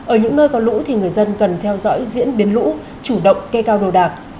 ở những nơi có lũ thì người dân cần theo dõi diễn biến lũ chủ động kê cao đồ đạc